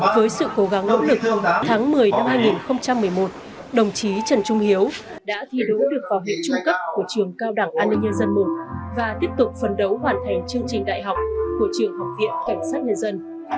với sự cố gắng nỗ lực tháng một mươi năm hai nghìn một mươi một đồng chí trần trung hiếu đã thi đấu được vào huyện trung cấp của trường cao đảng an ninh nhân dân i và tiếp tục phấn đấu hoàn thành chương trình đại học của trường học viện cảnh sát nhân dân